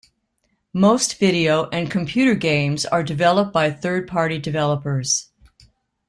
Most video and computer games are developed by third-party developers.